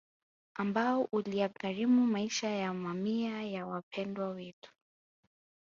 Ambao uliyagharimu maisha ya mamia ya Wapendwa Wetu